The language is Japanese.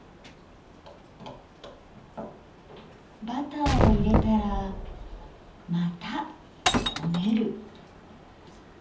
バターを入れたらまたこねる！